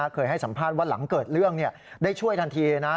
เคยให้สัมภาษณ์ว่าหลังเกิดเรื่องได้ช่วยทันทีเลยนะ